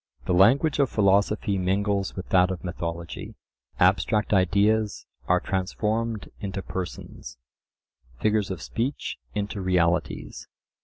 The language of philosophy mingles with that of mythology; abstract ideas are transformed into persons, figures of speech into realities.